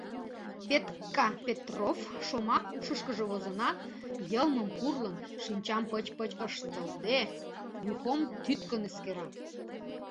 «Петкка Петрофф» шомак ушышкыжо возынат, йылмым пурлын, шинчам пыч-пыч ыштылде, Юхом тӱткын эскера.